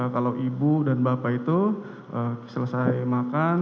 kalau ibu dan bapak itu selesai makan